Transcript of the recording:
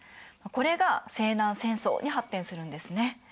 これが西南戦争に発展するんですね。